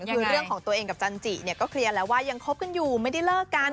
คือเรื่องของตัวเองกับจันจิเนี่ยก็เคลียร์แล้วว่ายังคบกันอยู่ไม่ได้เลิกกัน